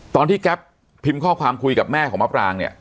แก๊ปพิมพ์ข้อความคุยกับแม่ของมะปรางเนี่ย